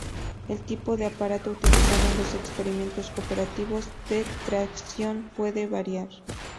El tipo de aparato utilizado en los experimentos cooperativos de tracción puede variar.